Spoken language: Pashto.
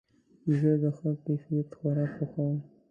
زه د ښه کیفیت خوراک خوښوم.